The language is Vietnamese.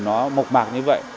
nó mộc mạc như vậy